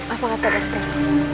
apa kata dokter